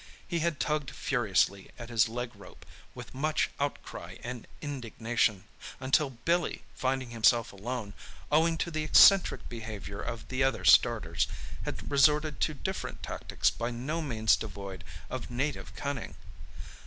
He had tugged furiously at his leg rope, with much outcry and indignation, until Billy, finding himself alone, owing to the eccentric behaviour of the other starters, had resorted to different tactics by no means devoid of native cunning.